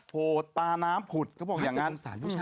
โหตาน้ำผุดเค้าบอกอย่างงั้น